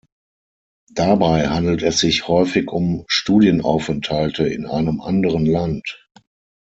Dabei handelt es sich häufig um Studienaufenthalte in einem anderen Land.